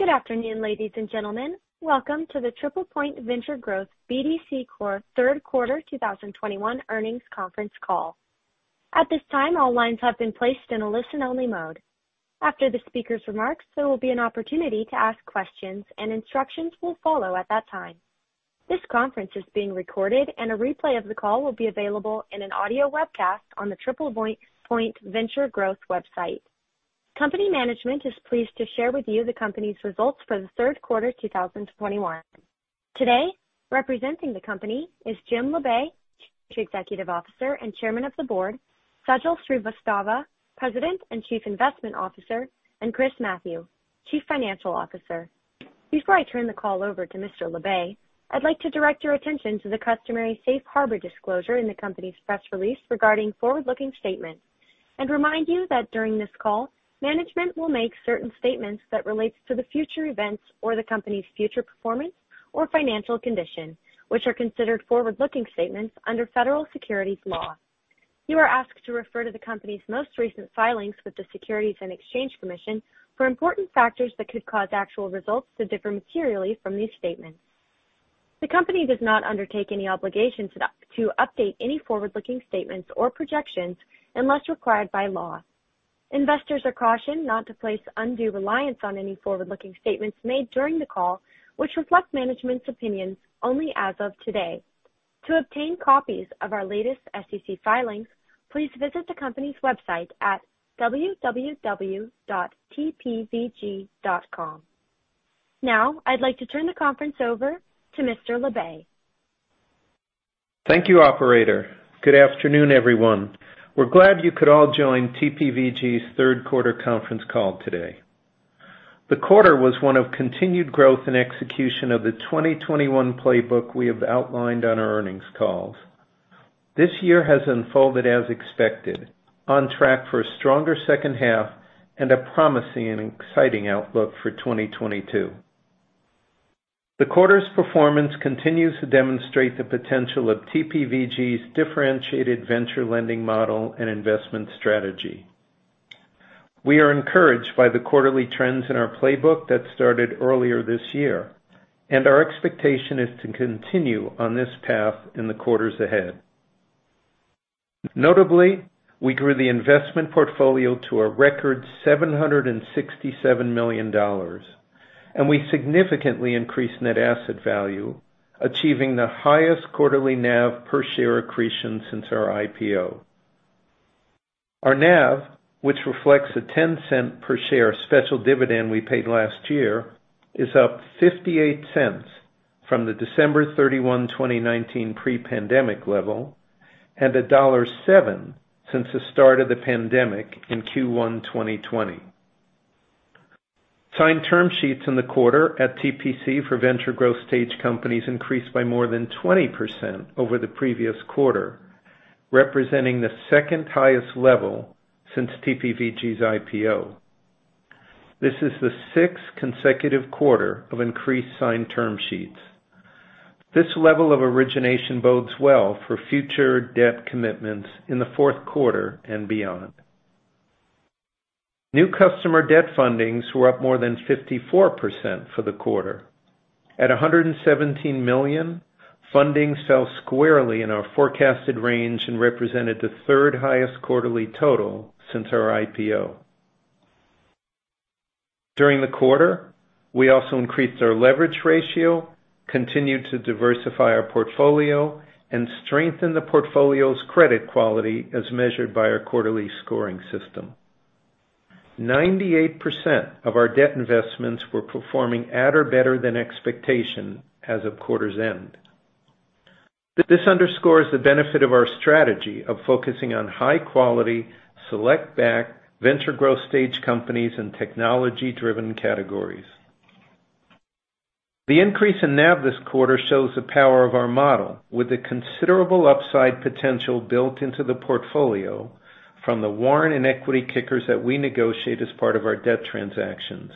Good afternoon, ladies and gentlemen. Welcome to the TriplePoint Venture Growth BDC Corp. Third Quarter 2021 Earnings Conference Call. At this time, all lines have been placed in a listen-only mode. After the speaker's remarks, there will be an opportunity to ask questions, and instructions will follow at that time. This conference is being recorded and a replay of the call will be available in an audio webcast on the TriplePoint Venture Growth website. Company management is pleased to share with you the company's results for the third quarter 2021. Today, representing the company is Jim Labe, Chief Executive Officer and Chairman of the Board, Sajal Srivastava, President and Chief Investment Officer, and Chris Mathieu, Chief Financial Officer. Before I turn the call over to Mr. Labe, I'd like to direct your attention to the customary safe harbor disclosure in the company's press release regarding forward-looking statements and remind you that during this call, management will make certain statements that relates to the future events or the company's future performance or financial condition, which are considered forward-looking statements under federal securities law. You are asked to refer to the company's most recent filings with the Securities and Exchange Commission for important factors that could cause actual results to differ materially from these statements. The company does not undertake any obligation to update any forward-looking statements or projections unless required by law. Investors are cautioned not to place undue reliance on any forward-looking statements made during the call, which reflect management's opinions only as of today. To obtain copies of our latest SEC filings, please visit the company's website at www.tpvg.com. Now, I'd like to turn the conference over to Mr. Labe. Thank you, operator. Good afternoon, everyone. We're glad you could all join TPVG's third quarter conference call today. The quarter was one of continued growth and execution of the 2021 playbook we have outlined on our earnings calls. This year has unfolded as expected, on track for a stronger second half and a promising and exciting outlook for 2022. The quarter's performance continues to demonstrate the potential of TPVG's differentiated venture lending model and investment strategy. We are encouraged by the quarterly trends in our playbook that started earlier this year, and our expectation is to continue on this path in the quarters ahead. Notably, we grew the investment portfolio to a record $767 million, and we significantly increased net asset value, achieving the highest quarterly NAV per share accretion since our IPO. Our NAV, which reflects a $0.10 per share special dividend we paid last year, is up $0.58 from the December 31, 2019 pre-pandemic level and $1.07 since the start of the pandemic in Q1 2020. Signed term sheets in the quarter at TPC for venture growth stage companies increased by more than 20% over the previous quarter, representing the second highest level since TPVG's IPO. This is the sixth consecutive quarter of increased signed term sheets. This level of origination bodes well for future debt commitments in the fourth quarter and beyond. New customer debt fundings were up more than 54% for the quarter. At $117 million, funding fell squarely in our forecasted range and represented the third highest quarterly total since our IPO. During the quarter, we also increased our leverage ratio, continued to diversify our portfolio and strengthen the portfolio's credit quality as measured by our quarterly scoring system. 98% of our debt investments were performing at or better than expectation as of quarter's end. This underscores the benefit of our strategy of focusing on high quality, select-backed venture growth stage companies in technology-driven categories. The increase in NAV this quarter shows the power of our model with a considerable upside potential built into the portfolio from the warrant and equity kickers that we negotiate as part of our debt transactions,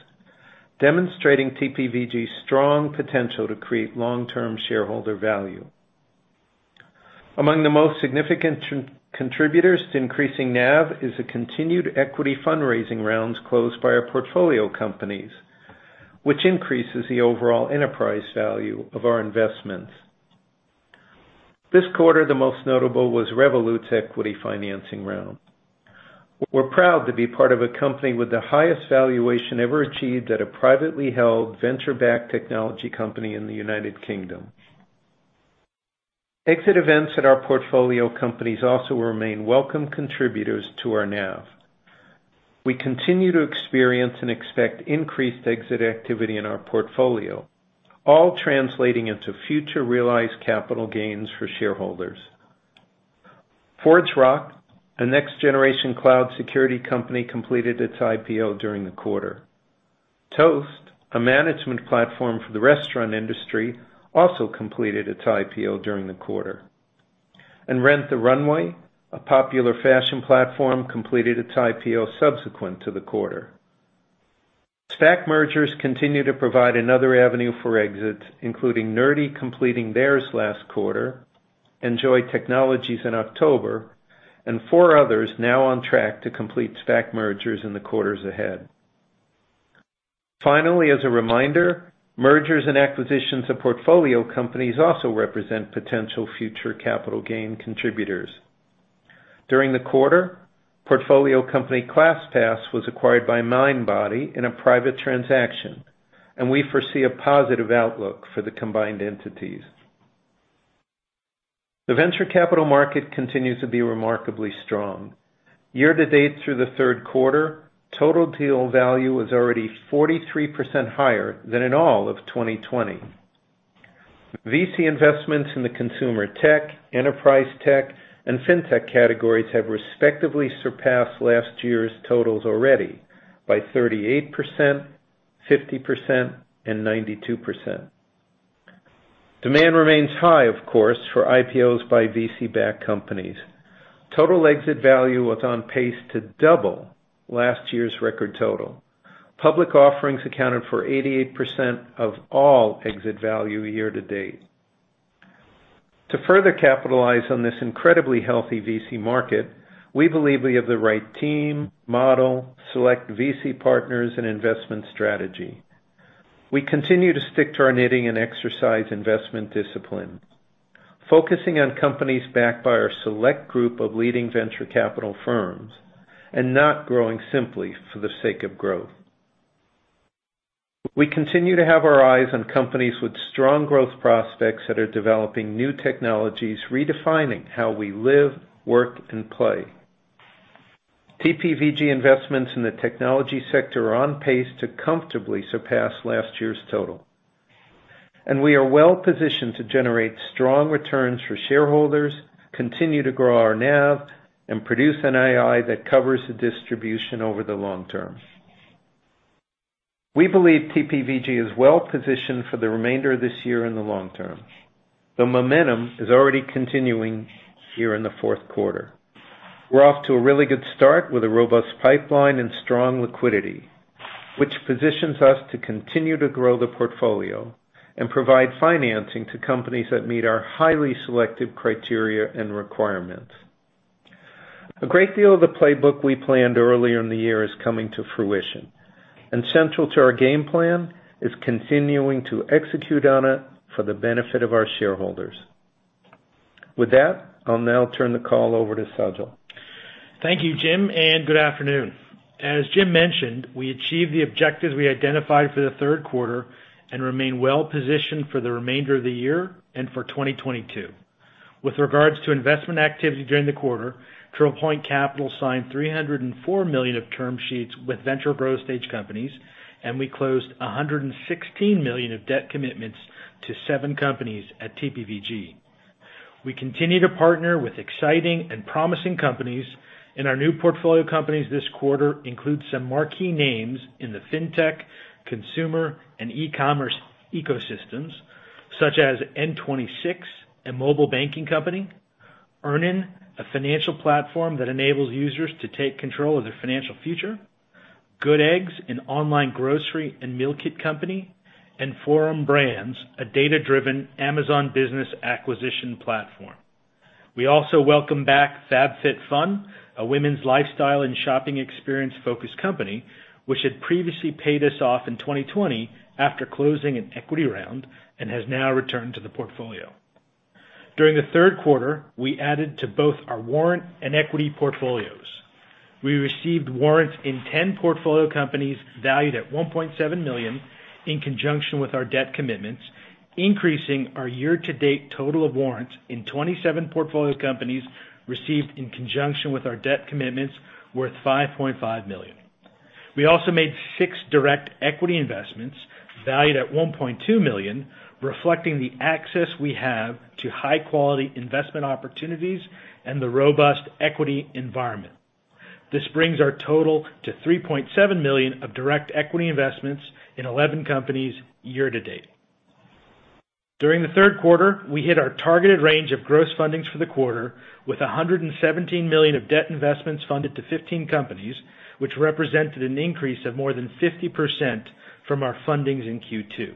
demonstrating TPVG's strong potential to create long-term shareholder value. Among the most significant contributors to increasing NAV is the continued equity fundraising rounds closed by our portfolio companies, which increases the overall enterprise value of our investments. This quarter, the most notable was Revolut's equity financing round. We're proud to be part of a company with the highest valuation ever achieved at a privately held venture-backed technology company in the United Kingdom. Exit events at our portfolio companies also remain welcome contributors to our NAV. We continue to experience and expect increased exit activity in our portfolio, all translating into future realized capital gains for shareholders. ForgeRock, a next generation cloud security company, completed its IPO during the quarter. Toast, a management platform for the restaurant industry, also completed its IPO during the quarter. Rent the Runway, a popular fashion platform, completed its IPO subsequent to the quarter. SPAC mergers continue to provide another avenue for exits, including Nerdy completing theirs last quarter, Enjoy Technology in October. Four others now on track to complete SPAC mergers in the quarters ahead. Finally, as a reminder, mergers and acquisitions of portfolio companies also represent potential future capital gain contributors. During the quarter, portfolio company ClassPass was acquired by Mindbody in a private transaction, and we foresee a positive outlook for the combined entities. The venture capital market continues to be remarkably strong. Year-to-date through the third quarter, total deal value was already 43% higher than in all of 2020. VC investments in the consumer tech, enterprise tech, and fintech categories have respectively surpassed last year's totals already by 38%, 50%, and 92%. Demand remains high, of course, for IPOs by VC-backed companies. Total exit value was on pace to double last year's record total. Public offerings accounted for 88% of all exit value year-to-date. To further capitalize on this incredibly healthy VC market, we believe we have the right team, model, select VC partners, and investment strategy. We continue to stick to our knitting and exercise investment discipline, focusing on companies backed by our select group of leading venture capital firms, and not growing simply for the sake of growth. We continue to have our eyes on companies with strong growth prospects that are developing new technologies, redefining how we live, work, and play. TPVG investments in the technology sector are on pace to comfortably surpass last year's total. We are well-positioned to generate strong returns for shareholders, continue to grow our NAV, and produce NII that covers the distribution over the long term. We believe TPVG is well-positioned for the remainder of this year and the long term. The momentum is already continuing here in the fourth quarter. We're off to a really good start with a robust pipeline and strong liquidity, which positions us to continue to grow the portfolio and provide financing to companies that meet our highly selective criteria and requirements. A great deal of the playbook we planned earlier in the year is coming to fruition, and central to our game plan is continuing to execute on it for the benefit of our shareholders. With that, I'll now turn the call over to Sajal. Thank you, Jim, and good afternoon. As Jim mentioned, we achieved the objectives we identified for the third quarter and remain well-positioned for the remainder of the year and for 2022. With regards to investment activity during the quarter, TriplePoint Capital signed $304 million of term sheets with venture growth stage companies, and we closed $116 million of debt commitments to 7 companies at TPVG. We continue to partner with exciting and promising companies, and our new portfolio companies this quarter include some marquee names in the fintech, consumer, and e-commerce ecosystems, such as N26, a mobile banking company, Earnin, a financial platform that enables users to take control of their financial future, Good Eggs, an online grocery and meal kit company, and Forum Brands, a data-driven Amazon business acquisition platform. We also welcome back FabFitFun, a women's lifestyle and shopping experience-focused company, which had previously paid us off in 2020 after closing an equity round and has now returned to the portfolio. During the third quarter, we added to both our warrant and equity portfolios. We received warrants in 10 portfolio companies valued at $1.7 million in conjunction with our debt commitments, increasing our year-to-date total of warrants in 27 portfolio companies received in conjunction with our debt commitments worth $5.5 million. We also made six direct equity investments valued at $1.2 million, reflecting the access we have to high-quality investment opportunities and the robust equity environment. This brings our total to $3.7 million of direct equity investments in 11 companies year to date. During the third quarter, we hit our targeted range of gross fundings for the quarter with $117 million of debt investments funded to 15 companies, which represented an increase of more than 50% from our fundings in Q2.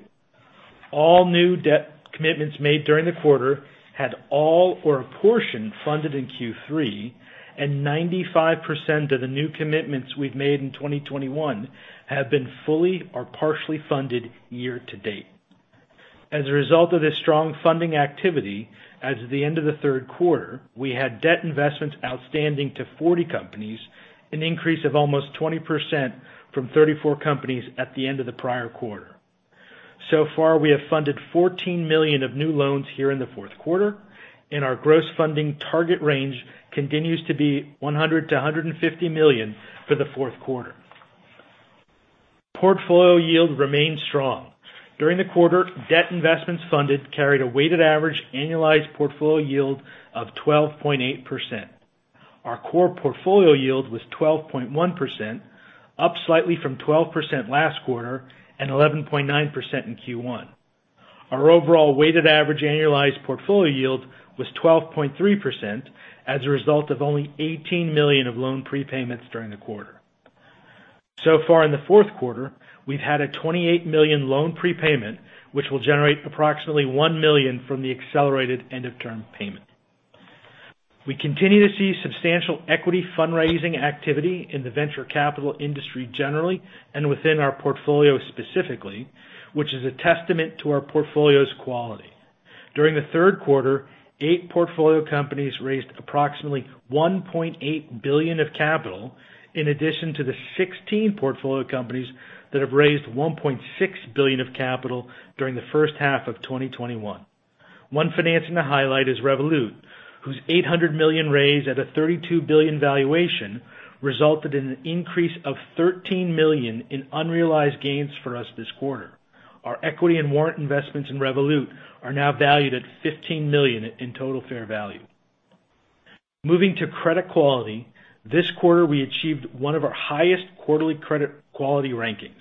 All new debt commitments made during the quarter had all or a portion funded in Q3, and 95% of the new commitments we've made in 2021 have been fully or partially funded year to date. As a result of this strong funding activity, as of the end of the third quarter, we had debt investments outstanding to 40 companies, an increase of almost 20% from 34 companies at the end of the prior quarter. So far, we have funded $14 million of new loans here in the fourth quarter, and our gross funding target range continues to be $100 million-$150 million for the fourth quarter. Portfolio yield remained strong. During the quarter, debt investments funded carried a weighted average annualized portfolio yield of 12.8%. Our core portfolio yield was 12.1%, up slightly from 12% last quarter and 11.9% in Q1. Our overall weighted average annualized portfolio yield was 12.3% as a result of only $18 million of loan prepayments during the quarter. So far in the fourth quarter, we've had a $28 million loan prepayment, which will generate approximately $1 million from the accelerated end of term payment. We continue to see substantial equity fundraising activity in the venture capital industry generally, and within our portfolio specifically, which is a testament to our portfolio's quality. During the third quarter, eight portfolio companies raised approximately $1.8 billion of capital in addition to the 16 portfolio companies that have raised $1.6 billion of capital during the first half of 2021. One financing to highlight is Revolut, whose $800 million raised at a $32 billion valuation resulted in an increase of $13 million in unrealized gains for us this quarter. Our equity and warrant investments in Revolut are now valued at $15 million in total fair value. Moving to credit quality. This quarter, we achieved one of our highest quarterly credit quality rankings.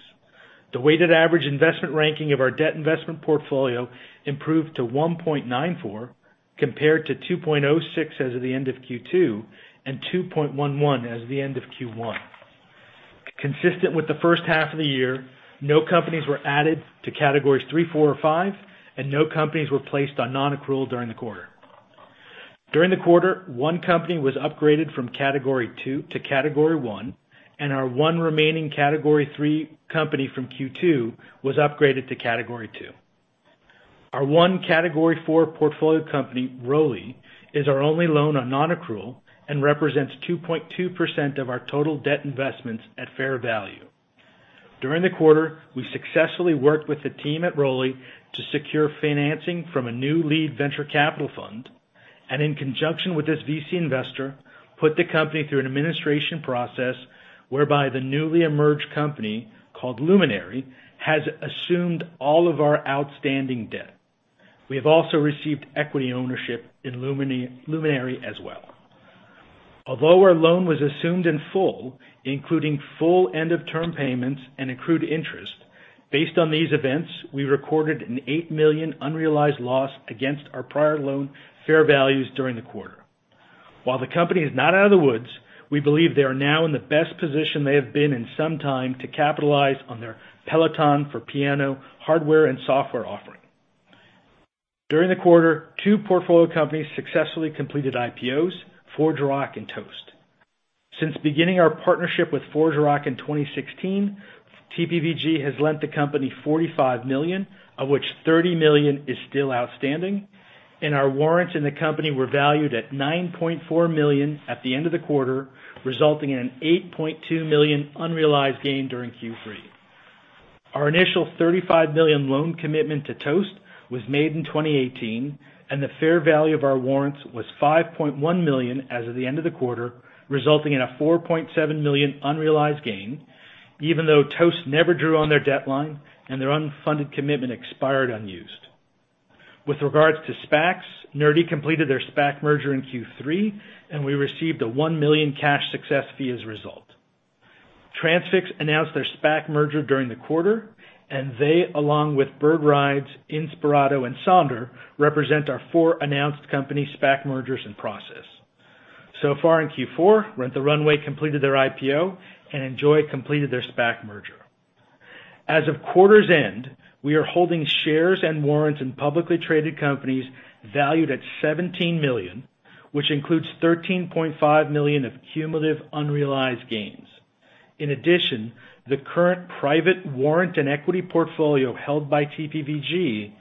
The weighted average investment ranking of our debt investment portfolio improved to 1.94, compared to 2.06 as of the end of Q2, and 2.11 as of the end of Q1. Consistent with the first half of the year, no companies were added to categories 3, 4 or 5, and no companies were placed on non-accrual during the quarter. During the quarter, 1 company was upgraded from category 2 to category 1, and our 1 remaining category 3 company from Q2 was upgraded to category 2. Our 1 category 4 portfolio company, ROLI, is our only loan on non-accrual and represents 2.2% of our total debt investments at fair value. During the quarter, we successfully worked with the team at ROLI to secure financing from a new lead venture capital fund, and in conjunction with this VC investor, put the company through an administration process whereby the newly emerged company, called Luminary, has assumed all of our outstanding debt. We have also received equity ownership in Luminary as well. Although our loan was assumed in full, including full end of term payments and accrued interest, based on these events, we recorded an $8 million unrealized loss against our prior loan fair values during the quarter. While the company is not out of the woods, we believe they are now in the best position they have been in some time to capitalize on their Peloton for piano, hardware and software offering. During the quarter, two portfolio companies successfully completed IPOs, ForgeRock and Toast. Since beginning our partnership with ForgeRock in 2016, TPVG has lent the company $45 million, of which $30 million is still outstanding, and our warrants in the company were valued at $9.4 million at the end of the quarter, resulting in an $8.2 million unrealized gain during Q3. Our initial $35 million loan commitment to Toast was made in 2018, and the fair value of our warrants was $5.1 million as of the end of the quarter, resulting in a $4.7 million unrealized gain, even though Toast never drew on their debt line and their unfunded commitment expired unused. With regards to SPACs, Nerdy completed their SPAC merger in Q3, and we received a $1 million cash success fee as a result. Transfix announced their SPAC merger during the quarter, and they, along with Bird Rides, Inspirato and Sonder, represent our four announced company SPAC mergers in process. So far in Q4, Rent the Runway completed their IPO and Enjoy completed their SPAC merger. As of quarter's end, we are holding shares and warrants in publicly traded companies valued at $17 million, which includes $13.5 million of cumulative unrealized gains. In addition, the current private warrant and equity portfolio held by TPVG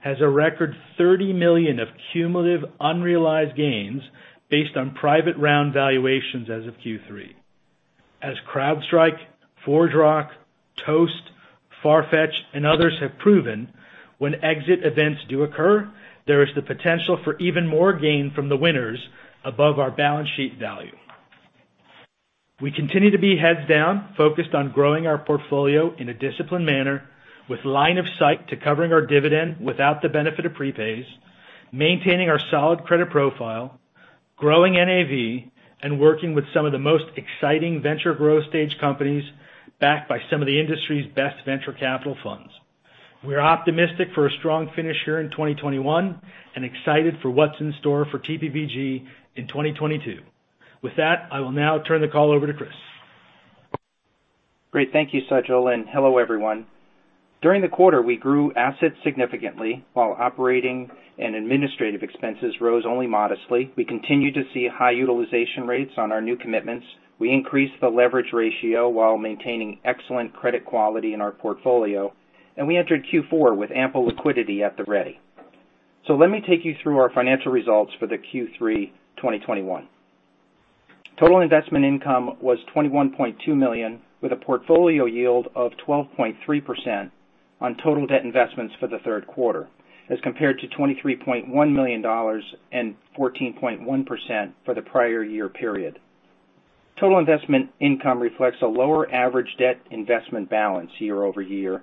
has a record $30 million of cumulative unrealized gains based on private round valuations as of Q3. As CrowdStrike, ForgeRock, Toast, Farfetch and others have proven, when exit events do occur, there is the potential for even more gain from the winners above our balance sheet value. We continue to be heads down, focused on growing our portfolio in a disciplined manner with line of sight to covering our dividend without the benefit of prepays, maintaining our solid credit profile, growing NAV, and working with some of the most exciting venture growth stage companies backed by some of the industry's best venture capital funds. We're optimistic for a strong finish here in 2021 and excited for what's in store for TPVG in 2022. With that, I will now turn the call over to Chris. Great. Thank you, Sajail, and hello, everyone. During the quarter, we grew assets significantly while operating and administrative expenses rose only modestly. We continued to see high utilization rates on our new commitments. We increased the leverage ratio while maintaining excellent credit quality in our portfolio, and we entered Q4 with ample liquidity at the ready. Let me take you through our financial results for the Q3 2021. Total investment income was $21.2 million, with a portfolio yield of 12.3% on total debt investments for the third quarter, as compared to $23.1 million and 14.1% for the prior year period. Total investment income reflects a lower average debt investment balance year over year,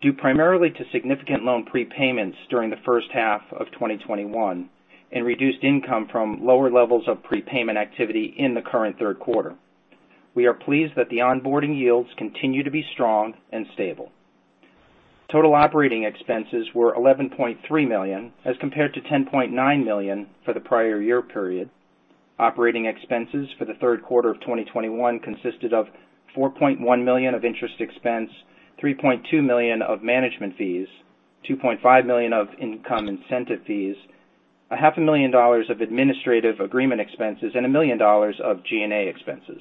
due primarily to significant loan prepayments during the first half of 2021 and reduced income from lower levels of prepayment activity in the current third quarter. We are pleased that the onboarding yields continue to be strong and stable. Total operating expenses were $11.3 million as compared to $10.9 million for the prior year period. Operating expenses for the third quarter of 2021 consisted of $4.1 million of interest expense, $3.2 million of management fees, $2.5 million of income incentive fees, a half a million dollars of administrative agreement expenses, and $1 million of G&A expenses.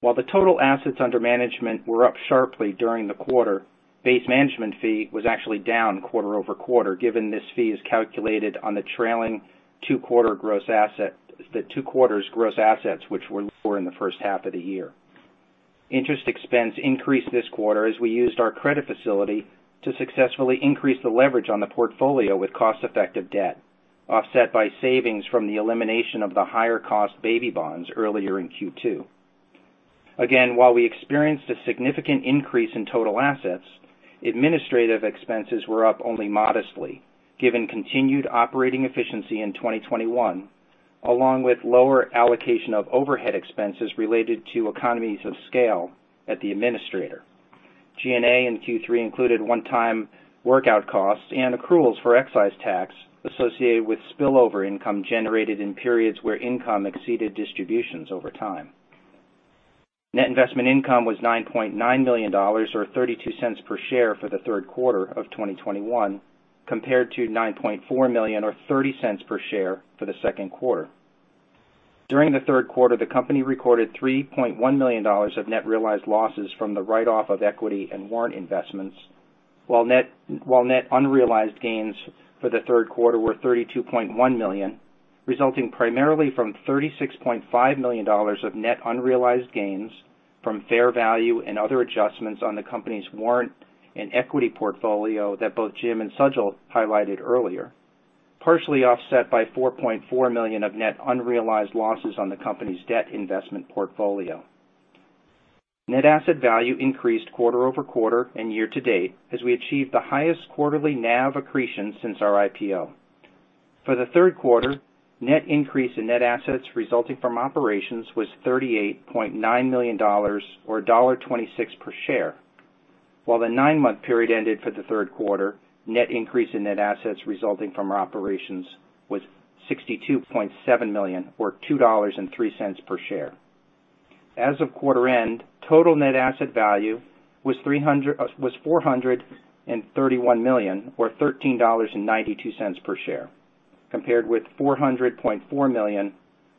While the total assets under management were up sharply during the quarter, base management fee was actually down quarter over quarter, given this fee is calculated on the trailing two quarter gross asset, the two quarters gross assets which were lower in the first half of the year. Interest expense increased this quarter as we used our credit facility to successfully increase the leverage on the portfolio with cost-effective debt, offset by savings from the elimination of the higher cost baby bonds earlier in Q2. Again, while we experienced a significant increase in total assets, administrative expenses were up only modestly given continued operating efficiency in 2021 along with lower allocation of overhead expenses related to economies of scale at the administrator. G&A in Q3 included one-time workout costs and accruals for excise tax associated with spillover income generated in periods where income exceeded distributions over time. Net investment income was $9.9 million or $0.32 per share for the third quarter of 2021 compared to $9.4 million or $0.30 per share for the second quarter. During the third quarter, the company recorded $3.1 million of net realized losses from the write-off of equity and warrant investments, while net unrealized gains for the third quarter were $32.1 million, resulting primarily from $36.5 million of net unrealized gains from fair value and other adjustments on the company's warrant and equity portfolio that both Jim and Sajil highlighted earlier, partially offset by $4.4 million of net unrealized losses on the company's debt investment portfolio. Net asset value increased quarter-over-quarter and year-to-date as we achieved the highest quarterly NAV accretion since our IPO. For the third quarter, net increase in net assets resulting from operations was $38.9 million or $1.26 per share. For the nine-month period ended September 30, 2021, net increase in net assets resulting from our operations was $62.7 million or $2.03 per share. As of quarter end, total net asset value was $431 million or $13.92 per share, compared with $400.4 million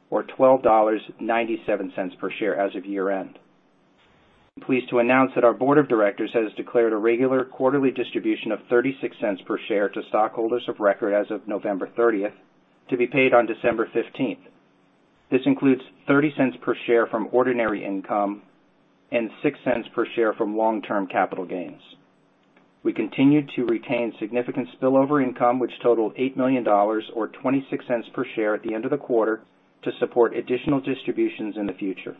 or $12.97 per share as of year end. I'm pleased to announce that our board of directors has declared a regular quarterly distribution of $0.36 per share to stockholders of record as of November 30th to be paid on December 15th. This includes $0.30 per share from ordinary income and $0.06 per share from long-term capital gains. We continue to retain significant spillover income, which totaled $8 million or $0.26 per share at the end of the quarter to support additional distributions in the future.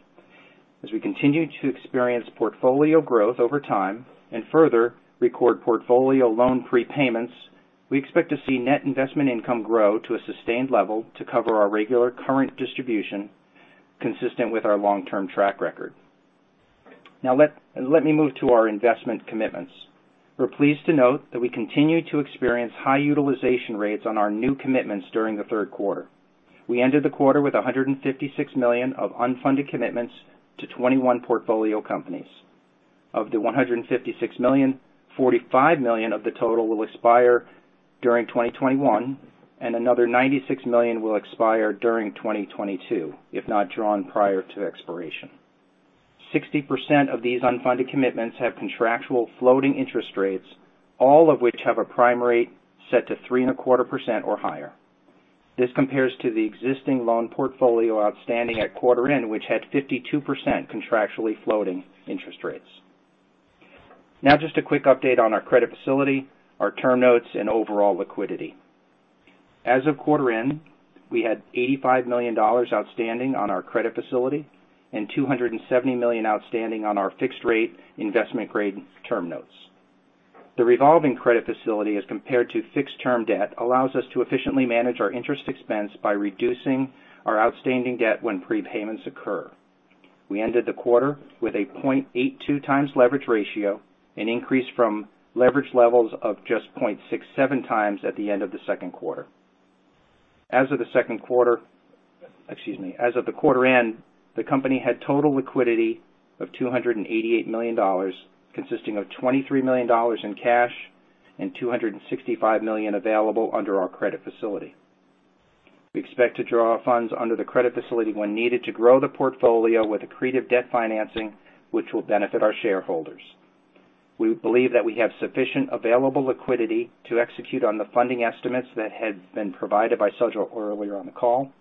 As we continue to experience portfolio growth over time and further record portfolio loan prepayments, we expect to see net investment income grow to a sustained level to cover our regular current distribution consistent with our long-term track record. Now let me move to our investment commitments. We're pleased to note that we continue to experience high utilization rates on our new commitments during the third quarter. We ended the quarter with $156 million of unfunded commitments to 21 portfolio companies. Of the $156 million, $45 million of the total will expire during 2021, and another $96 million will expire during 2022, if not drawn prior to expiration. 60% of these unfunded commitments have contractual floating interest rates, all of which have a prime rate set to 3.25% or higher. This compares to the existing loan portfolio outstanding at quarter end, which had 52% contractually floating interest rates. Now just a quick update on our credit facility, our term notes and overall liquidity. As of quarter end, we had $85 million outstanding on our credit facility and $270 million outstanding on our fixed rate investment grade term notes. The revolving credit facility, as compared to fixed term debt, allows us to efficiently manage our interest expense by reducing our outstanding debt when prepayments occur. We ended the quarter with a 0.82x leverage ratio, an increase from leverage levels of just 0.67x at the end of the second quarter. As of the quarter end, the company had total liquidity of $288 million, consisting of $23 million in cash and $265 million available under our credit facility. We expect to draw funds under the credit facility when needed to grow the portfolio with accretive debt financing, which will benefit our shareholders. We believe that we have sufficient available liquidity to execute on the funding estimates that had been provided by Sajal earlier on the call.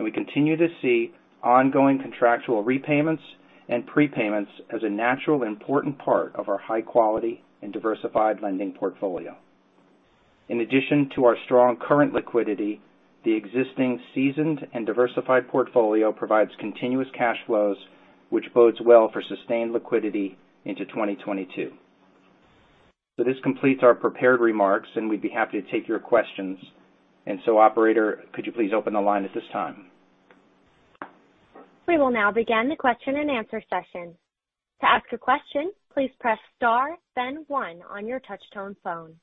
We continue to see ongoing contractual repayments and prepayments as a natural and important part of our high quality and diversified lending portfolio. In addition to our strong current liquidity, the existing seasoned and diversified portfolio provides continuous cash flows, which bodes well for sustained liquidity into 2022. This completes our prepared remarks, and we'd be happy to take your questions. Operator, could you please open the line at this time? We will now begin the question and answer session. To ask a question, please press star then one on your touchtone phone.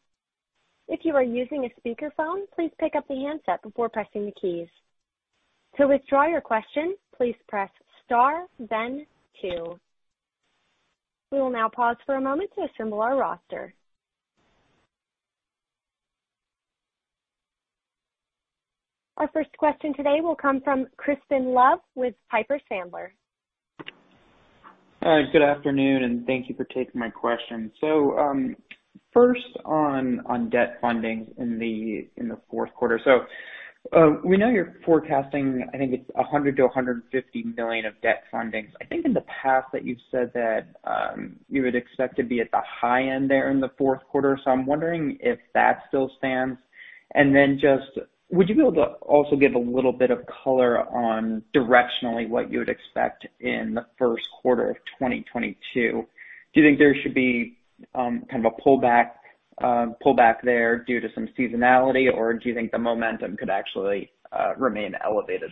If you are using a speakerphone, please pick up the handset before pressing the keys. To withdraw your question, please press star then two. We will now pause for a moment to assemble our roster. Our first question today will come from Crispin Love with Piper Sandler. Good afternoon, and thank you for taking my question. First on debt funding in the fourth quarter. We know you're forecasting, I think it's $100 million-$150 million of debt fundings. I think in the past that you've said that you would expect to be at the high end there in the fourth quarter. I'm wondering if that still stands. Just would you be able to also give a little bit of color on directionally what you would expect in the first quarter of 2022? Do you think there should be kind of a pullback there due to some seasonality, or do you think the momentum could actually remain elevated?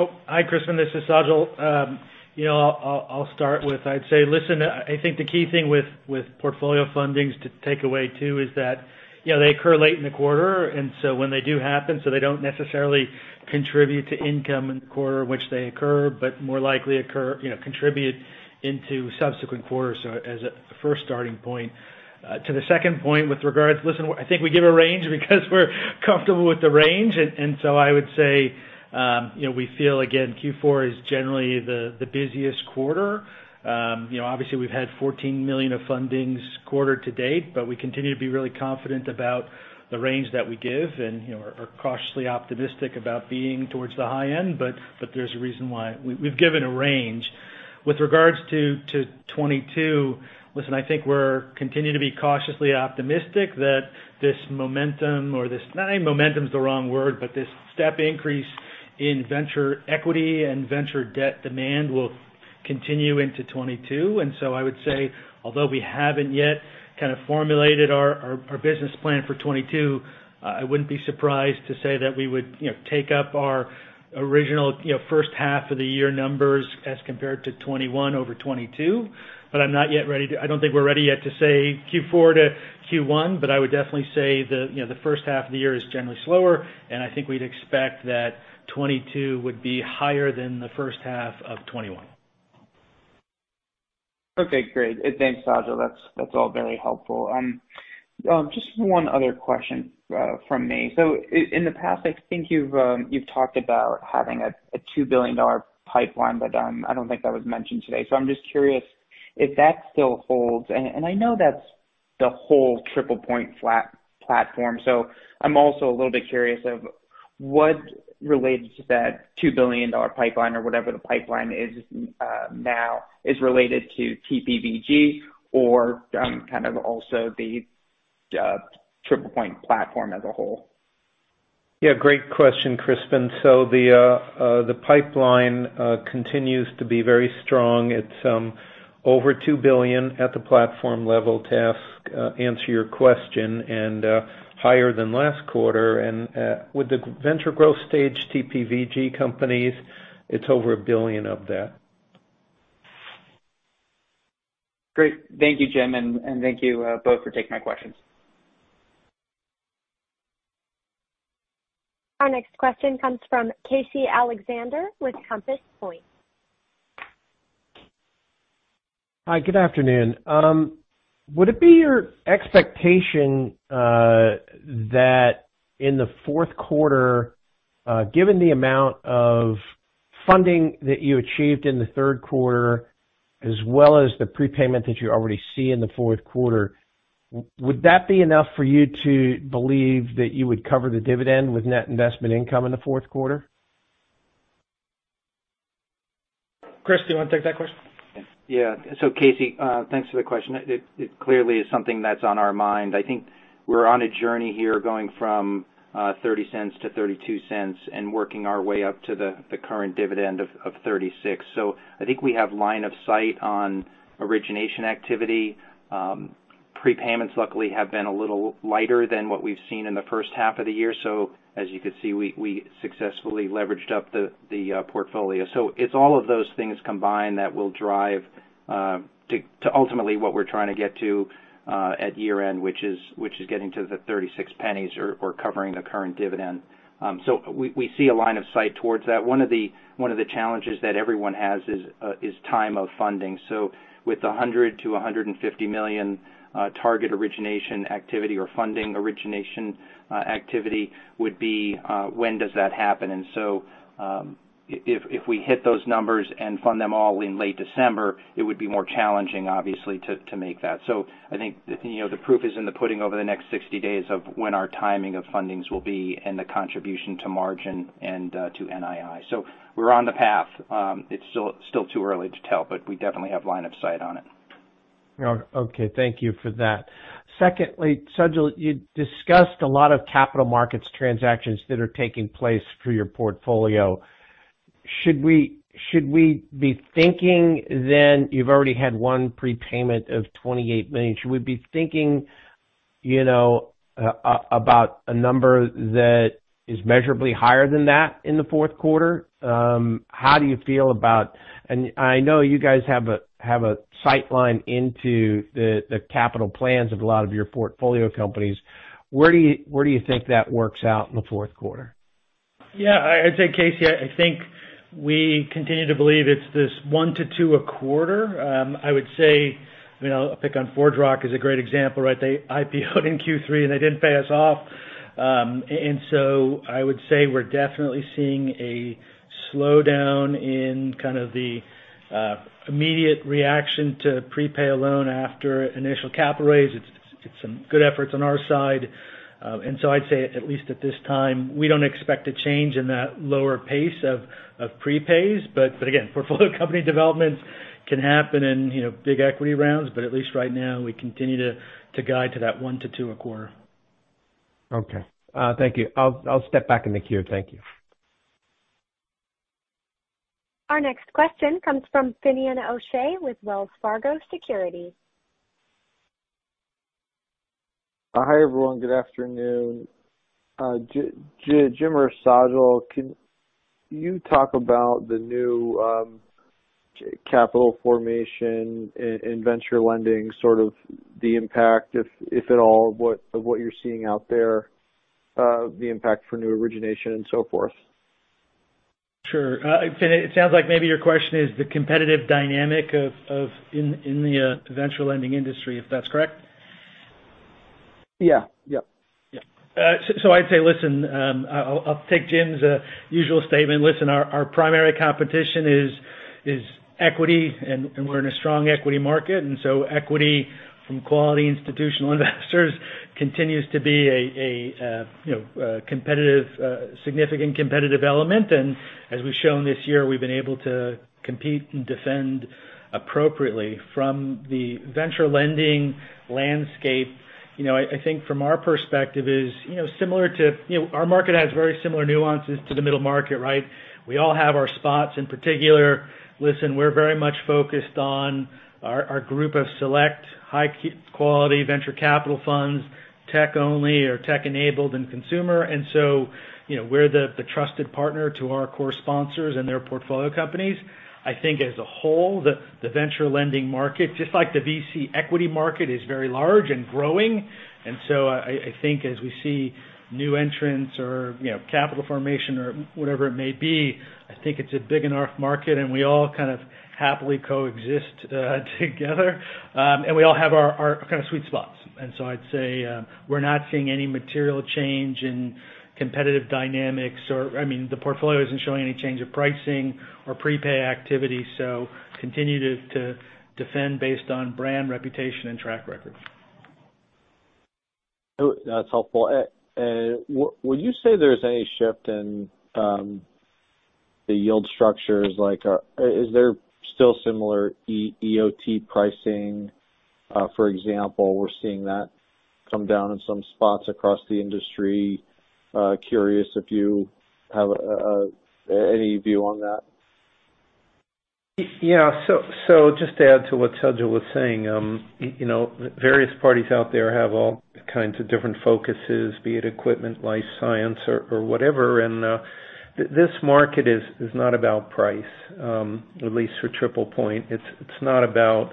Oh, hi, Crispin. This is Sajal. You know, I'll start with I'd say, listen, I think the key thing with portfolio fundings to take away too is that, you know, they occur late in the quarter, and so when they do happen, they don't necessarily contribute to income in the quarter in which they occur, but more likely accrue, you know, contribute into subsequent quarters. As a first starting point. To the second point with regards, listen, I think we give a range because we're comfortable with the range. I would say, you know, we feel, again, Q4 is generally the busiest quarter. You know, obviously we've had $14 million of fundings quarter to date, but we continue to be really confident about the range that we give and, you know, are cautiously optimistic about being towards the high end, but there's a reason why we've given a range. With regards to 2022, listen, I think we continue to be cautiously optimistic that this momentum, but momentum's the wrong word, but this step increase in venture equity and venture debt demand will continue into 2022. I would say, although we haven't yet kind of formulated our business plan for 2022, I wouldn't be surprised to say that we would, you know, take up our original, you know, first half of the year numbers as compared to 2021 over 2022. I don't think we're ready yet to say Q4 to Q1, but I would definitely say the, you know, the first half of the year is generally slower, and I think we'd expect that 2022 would be higher than the first half of 2021. Okay, great. Thanks, Sajal. That's all very helpful. Just one other question from me. In the past I think you've talked about having a $2 billion pipeline, but I don't think that was mentioned today. I'm just curious if that still holds. I know that's the whole TriplePoint platform. I'm also a little bit curious of what related to that $2 billion pipeline or whatever the pipeline is now is related to TPVG or kind of also the TriplePoint platform as a whole. Yeah, great question, Crispin. The pipeline continues to be very strong. It's over $2 billion at the platform level, to answer your question, and with the venture growth stage TPVG companies, it's over $1 billion of that. Great. Thank you, Jim, and thank you both for taking my questions. Our next question comes from Casey Alexander with Compass Point. Hi, good afternoon. Would it be your expectation that in the fourth quarter, given the amount of funding that you achieved in the third quarter as well as the prepayment that you already see in the fourth quarter, would that be enough for you to believe that you would cover the dividend with net investment income in the fourth quarter? Chris, do you wanna take that question? Yeah. Casey, thanks for the question. It clearly is something that's on our mind. I think we're on a journey here going from $0.30 to $0.32 and working our way up to the current dividend of $0.36. I think we have line of sight on origination activity. Prepayments luckily have been a little lighter than what we've seen in the first half of the year. As you can see, we successfully leveraged up the portfolio. It's all of those things combined that will drive to ultimately what we're trying to get to at year-end, which is getting to the $0.36 or covering the current dividend. We see a line of sight towards that. One of the challenges that everyone has is time of funding. With $100 million-$150 million target origination activity or funding origination activity, when does that happen? If we hit those numbers and fund them all in late December, it would be more challenging, obviously, to make that. I think, you know, the proof is in the pudding over the next 60 days of when our timing of fundings will be and the contribution to margin and to NII. We're on the path. It's still too early to tell, but we definitely have line of sight on it. Okay. Thank you for that. Secondly, Sajal, you discussed a lot of capital markets transactions that are taking place through your portfolio. Should we be thinking then you've already had one prepayment of $28 million. Should we be thinking- You know, about a number that is measurably higher than that in the fourth quarter. How do you feel about. I know you guys have a line of sight into the capital plans of a lot of your portfolio companies. Where do you think that works out in the fourth quarter? I'd say, Casey, I think we continue to believe it's this 1-2 a quarter. I would say, you know, I'll pick on ForgeRock as a great example, right? They IPO'd in Q3, and they didn't pay us off. I would say we're definitely seeing a slowdown in kind of the immediate reaction to prepay a loan after initial capital raise. It's some good efforts on our side. I'd say at least at this time, we don't expect a change in that lower pace of prepays. But again, portfolio company developments can happen in, you know, big equity rounds. But at least right now, we continue to guide to that 1-2 a quarter. Okay. Thank you. I'll step back in the queue. Thank you. Our next question comes from Finian O'Shea with Wells Fargo Securities. Hi, everyone. Good afternoon. Jim or Sajil, can you talk about the new capital formation and venture lending, sort of the impact, if at all, of what you're seeing out there, the impact for new origination and so forth? Sure. It sounds like maybe your question is the competitive dynamics of the venture lending industry, if that's correct. Yeah. Yep. Yep. I'd say, listen, I'll take Jim's usual statement. Listen, our primary competition is equity, and we're in a strong equity market. Equity from quality institutional investors continues to be a, you know, competitive, significant competitive element. As we've shown this year, we've been able to compete and defend appropriately from the venture lending landscape. You know, I think from our perspective is, you know, similar to, you know, our market has very similar nuances to the middle market, right? We all have our spots. In particular, listen, we're very much focused on our group of select high quality venture capital funds, tech only or tech-enabled and consumer. You know, we're the trusted partner to our core sponsors and their portfolio companies. I think as a whole, the venture lending market, just like the VC equity market, is very large and growing. I think as we see new entrants or, you know, capital formation or whatever it may be, I think it's a big enough market and we all kind of happily coexist together. We all have our kind of sweet spots. I'd say we're not seeing any material change in competitive dynamics or, I mean, the portfolio isn't showing any change of pricing or prepay activity. Continue to defend based on brand reputation and track record. Oh, that's helpful. Would you say there's any shift in the yield structures? Like, is there still similar EOT pricing? For example, we're seeing that come down in some spots across the industry. Curious if you have any view on that. Yeah. Just to add to what Sajal was saying, you know, various parties out there have all kinds of different focuses, be it equipment, life science or whatever. This market is not about price, at least for TriplePoint. It's not about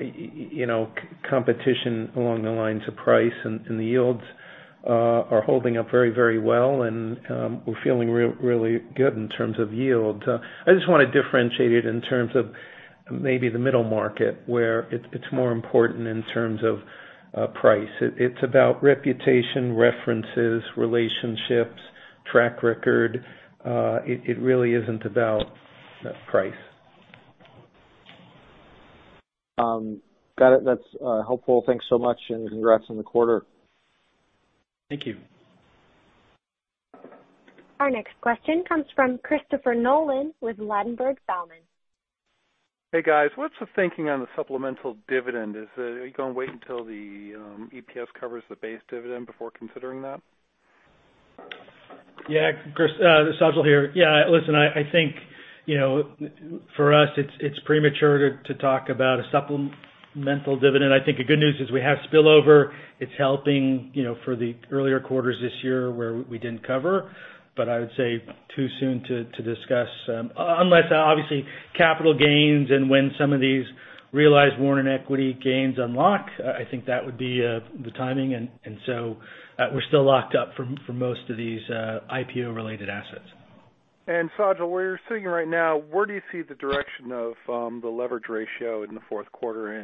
you know, competition along the lines of price. The yields are holding up very well and we're feeling really good in terms of yield. I just wanna differentiate it in terms of maybe the middle market, where it's more important in terms of price. It's about reputation, references, relationships, track record. It really isn't about price. Got it. That's helpful. Thanks so much and congrats on the quarter. Thank you. Our next question comes from Christopher Nolan with Ladenburg Thalmann. Hey, guys. What's the thinking on the supplemental dividend? Are you gonna wait until the EPS covers the base dividend before considering that? Chris, this is Sajal here. Listen, I think, you know, for us, it's premature to talk about a supplemental dividend. I think the good news is we have spillover. It's helping, you know, for the earlier quarters this year where we didn't cover. I would say too soon to discuss unless obviously capital gains and when some of these realized warrant equity gains unlock, I think that would be the timing. We're still locked up for most of these IPO related assets. Sajal, where you're sitting right now, where do you see the direction of the leverage ratio in the fourth quarter?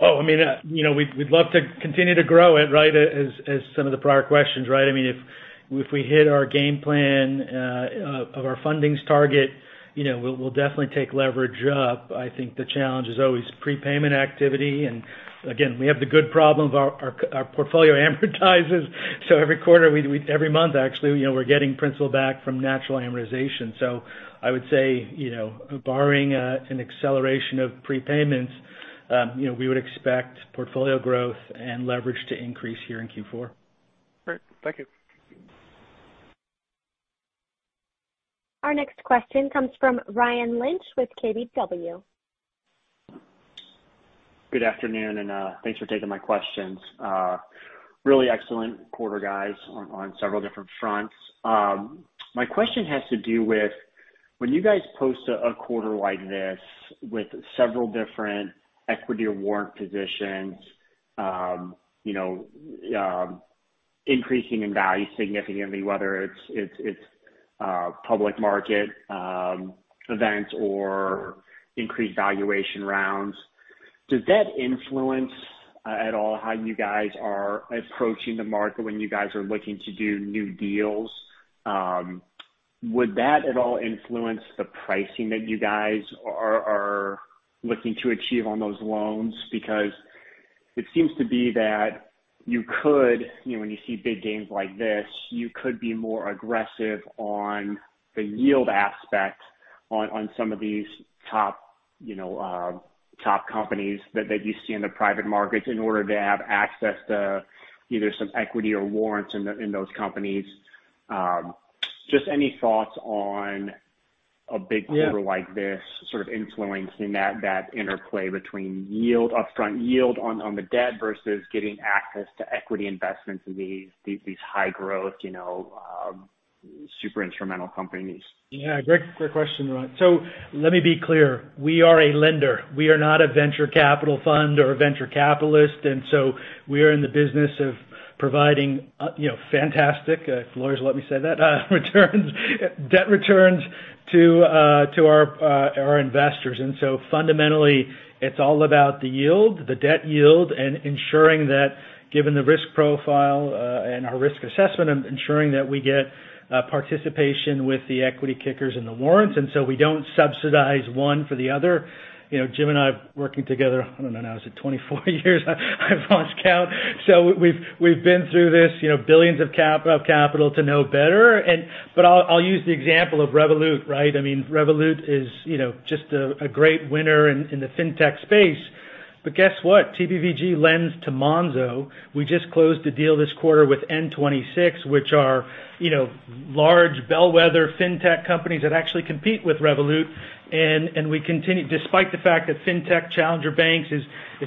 I mean, you know, we'd love to continue to grow it, right, as some of the prior questions, right? I mean, if we hit our game plan of our funding target, you know, we'll definitely take leverage up. I think the challenge is always prepayment activity. Again, we have the good problem of our portfolio advances. Every quarter every month actually, you know, we're getting principal back from natural amortization. I would say, you know, barring an acceleration of prepayments, you know, we would expect portfolio growth and leverage to increase here in Q4. Great. Thank you. Our next question comes from Ryan Lynch with KBW. Good afternoon, and thanks for taking my questions. Really excellent quarter guys on several different fronts. My question has to do with when you guys post a quarter like this with several different equity or warrant positions, you know, increasing in value significantly, whether it's public market events or increased valuation rounds, does that influence at all how you guys are approaching the market when you guys are looking to do new deals? Would that at all influence the pricing that you guys are looking to achieve on those loans? Because it seems to be that you could, you know, when you see big gains like this, you could be more aggressive on the yield aspect on some of these top, you know, top companies that you see in the private markets in order to have access to either some equity or warrants in those companies. Just any thoughts on a big quarter- Yeah. Like this sort of influencing that interplay between yield, upfront yield on the debt versus getting access to equity investments in these high growth, you know, super instrumental companies. Yeah. Great question, Ryan. Let me be clear. We are a lender. We are not a venture capital fund or a venture capitalist, and so we are in the business of providing, you know, fantastic, if lawyers let me say that, returns, debt returns to our investors. Fundamentally, it's all about the yield, the debt yield, and ensuring that given the risk profile, and our risk assessment and ensuring that we get participation with the equity kickers and the warrants. We don't subsidize one for the other. You know, Jim and I working together, I don't know now, is it 24 years? I've lost count. We've been through this, you know, billions of capital to know better. But I'll use the example of Revolut, right? I mean, Revolut is, you know, just a great winner in the fintech space. Guess what? TPVG lends to Monzo. We just closed a deal this quarter with N26, which are, you know, large bellwether fintech companies that actually compete with Revolut. We continue despite the fact that fintech challenger banks is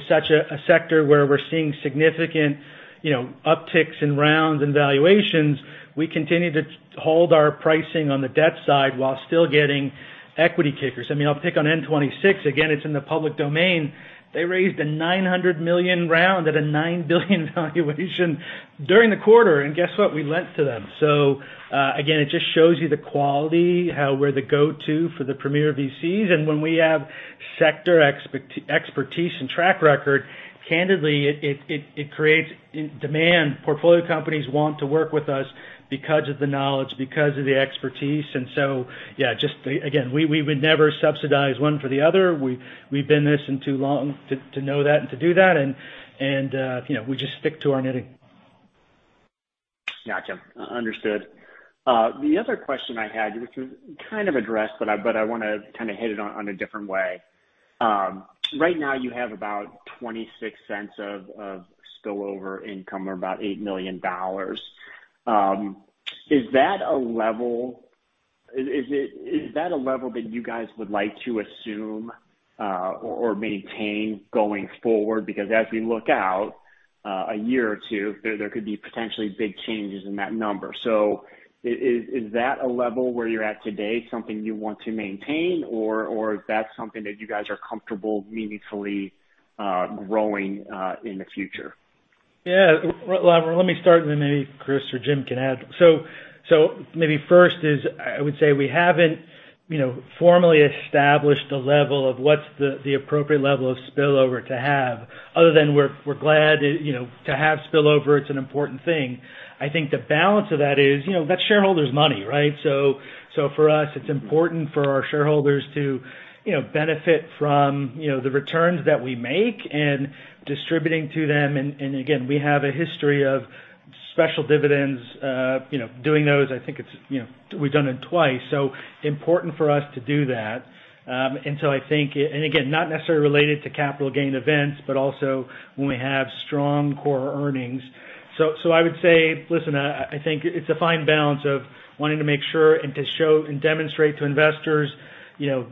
such a sector where we're seeing significant, you know, upticks in rounds and valuations, we continue to hold our pricing on the debt side while still getting equity kickers. I mean, I'll pick on N26. Again, it's in the public domain. They raised a $900 million round at a $9 billion valuation during the quarter. Guess what? We lent to them. Again, it just shows you the quality, how we're the go-to for the premier VCs. When we have sector expertise and track record, candidly it creates demand. Portfolio companies want to work with us because of the knowledge, because of the expertise. Yeah, just again, we would never subsidize one for the other. We've been in this too long to know that and to do that, and you know, we just stick to our knitting. Gotcha. Understood. The other question I had, which was kind of addressed, but I wanna kind of hit it on a different way. Right now you have about $0.26 of spillover income or about $8 million. Is that a level that you guys would like to assume or maintain going forward? Because as we look out a year or two, there could be potentially big changes in that number. So is that a level where you're at today, something you want to maintain? Or is that something that you guys are comfortable meaningfully growing in the future? Let me start and then maybe Chris or Jim can add. Maybe first is I would say we haven't you know formally established a level of what's the appropriate level of spillover to have other than we're glad you know to have spillover. It's an important thing. I think the balance of that is you know that's shareholders' money right? For us it's important for our shareholders to you know benefit from you know the returns that we make and distributing to them. Again we have a history of special dividends you know doing those. I think it's you know we've done it twice important for us to do that. Again not necessarily related to capital gain events but also when we have strong core earnings. I would say, listen, I think it's a fine balance of wanting to make sure and to show and demonstrate to investors, you know,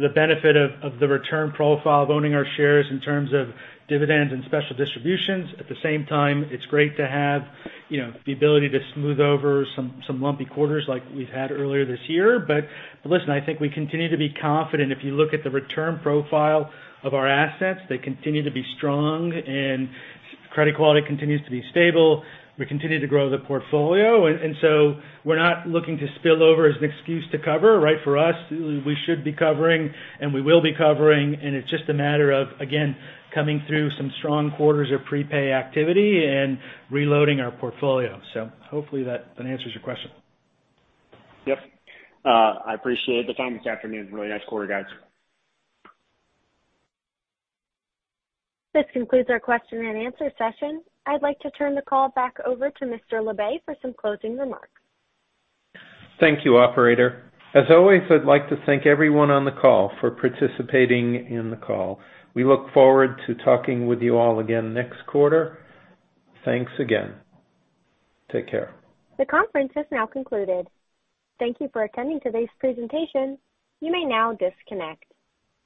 the benefit of the return profile of owning our shares in terms of dividends and special distributions. At the same time, it's great to have, you know, the ability to smooth over some lumpy quarters like we've had earlier this year. Listen, I think we continue to be confident. If you look at the return profile of our assets, they continue to be strong, and credit quality continues to be stable. We continue to grow the portfolio. We're not looking to spill over as an excuse to cover, right? For us, we should be covering, and we will be covering. It's just a matter of, again, coming through some strong quarters of prepay activity and reloading our portfolio. Hopefully that answers your question. Yep. I appreciate the time this afternoon. Really nice quarter, guys. This concludes our question and answer session. I'd like to turn the call back over to Mr. Labe for some closing remarks. Thank you, operator. As always, I'd like to thank everyone on the call for participating in the call. We look forward to talking with you all again next quarter. Thanks again. Take care. The conference has now concluded. Thank you for attending today's presentation. You may now disconnect.